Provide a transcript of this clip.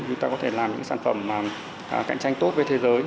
chúng ta có thể làm những sản phẩm cạnh tranh tốt với thế giới